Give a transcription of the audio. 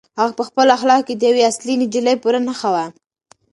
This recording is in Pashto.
هغه په خپلو اخلاقو کې د یوې اصیلې نجلۍ پوره نښه وه.